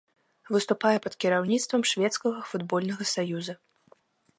Выступае пад кіраўніцтвам шведскага футбольнага саюза.